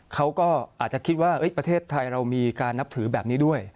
เขาก็อาจจะคิดว่าประเทศไทยเรามีการนับถือแบบนี้ด้วย